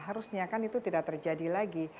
harusnya kan itu tidak terjadi lagi